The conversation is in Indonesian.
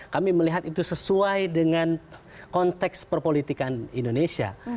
kami melihat itu sesuai dengan konteks perpolitikan indonesia